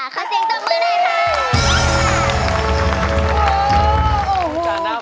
ขอเสียงตอบมือด้วยค่ะ